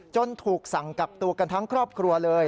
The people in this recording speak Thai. ถูกสั่งกลับตัวกันทั้งครอบครัวเลย